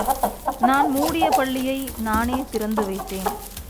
நான் மூடிய பள்ளியை நானே திறந்த வைத்தேன்.